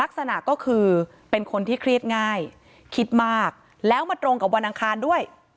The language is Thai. ลักษณะก็คือเป็นคนที่เครียดง่ายคิดมากแล้วมาตรงกับวันอังคารด้วย